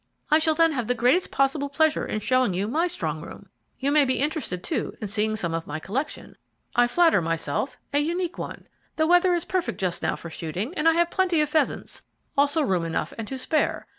I shall then have the greatest possible pleasure in showing you my strong room. You may be interested, too, in seeing some of my collection I flatter myself, a unique one. The weather is perfect just now for shooting, and I have plenty of pheasants, also room enough and to spare.